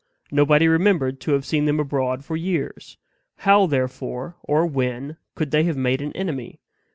Nobody remembered to have seen them abroad for years. How, therefore, or when could they have made an enemy?